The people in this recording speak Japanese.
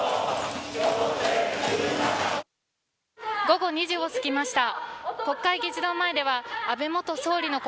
午後２時を過ぎました。